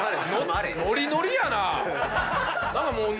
ノリノリやな。